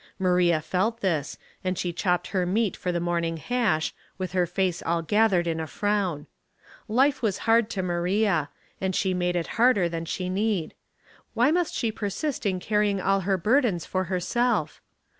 Maria felt this, and she chopped her meat for the morning hash, with her face all gathered in a frown. Life was Storm and '•''Moonshine" 347 hard to Maria, and she made it harder than she need. Why must she persist in carrying all her burdens for herself?